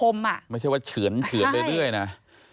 ไม่ใช่ว่าเฉือนไปเรื่อยนะ